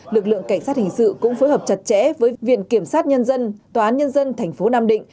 lực lượng cảnh sát hình sự cũng phối hợp chặt chẽ với viện kiểm sát nhân dân tòa án nhân dân tp nam định